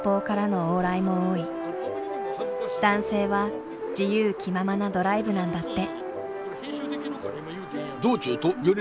男性は自由気ままなドライブなんだって。